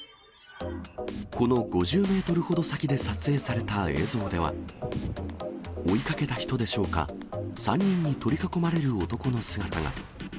この５０メートルほど先で撮影された映像では、追いかけた人でしょうか、３人に取り囲まれる男の姿が。